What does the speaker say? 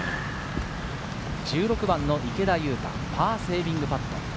１６番の池田勇太、パーセービングパット。